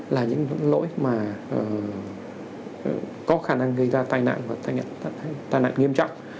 là những lỗi mà có khả năng gây ra tai nạn và tai nạn nghiêm trọng